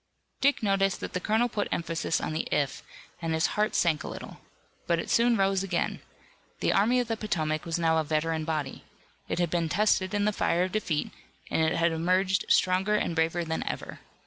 Dick noticed that the colonel put emphasis on the "if" and his heart sank a little. But it soon rose again. The Army of the Potomac was now a veteran body. It had been tested in the fire of defeat, and it had emerged stronger and braver than ever.